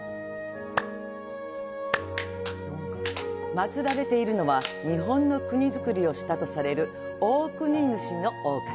祭られているのは日本の国造りをしたとされる大国主大神。